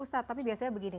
ustadz tapi biasanya begini